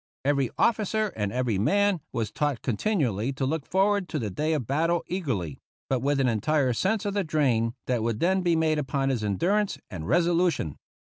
Every officer and every man was taught continually to look forward to the day of battle eagerly, but with an entire sense of the drain that would then be made upon his endurance and resolution.